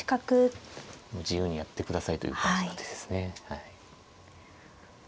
自由にやってくださいという感じの手ですね。